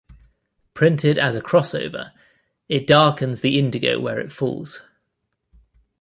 Printed as a crossover, it darkens the indigo where it falls.